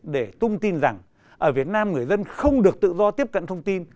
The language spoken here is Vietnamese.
để tung tin rằng ở việt nam người dân không được tự do tiếp cận thông tin